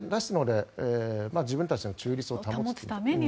ですので自分たちの中立を保つために。